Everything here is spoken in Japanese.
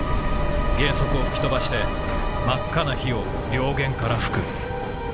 舷側を吹き飛ばして真赤な火を両舷から吹く。